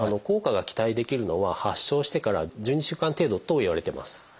効果が期待できるのは発症してから１２週間程度といわれてます。